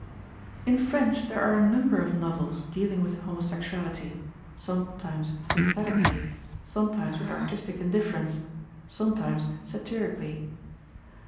In French there are a number of novels dealing with homosexuality, sometimes sympathetically, sometimes with artistic indifference, sometimes satirically.